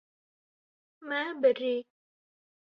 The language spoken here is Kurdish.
Me birî.